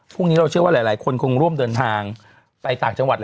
พรุ่งนี้เราเชื่อว่าหลายคนคงร่วมเดินทางไปต่างจังหวัด